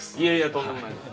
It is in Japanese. とんでもないです。